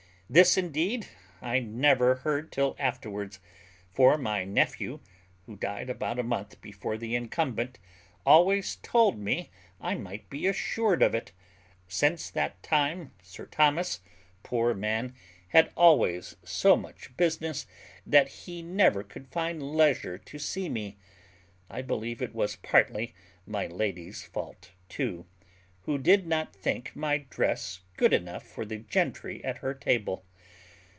This, indeed, I never heard till afterwards; for my nephew, who died about a month before the incumbent, always told me I might be assured of it. Since that time, Sir Thomas, poor man, had always so much business, that he never could find leisure to see me. I believe it was partly my lady's fault too, who did not think my dress good enough for the gentry at her table.